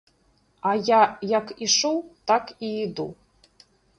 А я, як ішоў, так і іду.